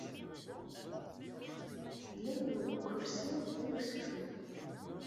Yella yiwen n ukersi ddaw useklu.